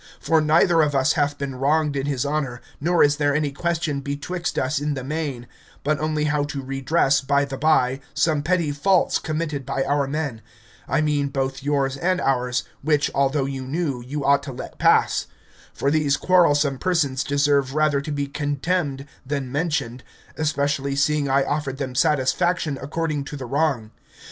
For neither of us hath been wronged in his honour, nor is there any question betwixt us in the main, but only how to redress, by the bye, some petty faults committed by our men, I mean, both yours and ours, which, although you knew, you ought to let pass; for these quarrelsome persons deserve rather to be contemned than mentioned, especially seeing I offered them satisfaction according to the wrong.